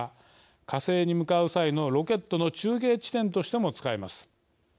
火星に向かう際のロケットの中継地点としても使えます。